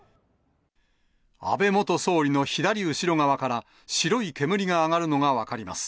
安倍元総理の左後ろ側から、白い煙が上がるのが分かります。